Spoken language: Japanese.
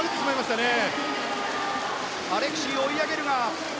アレクシー、追い上げるが。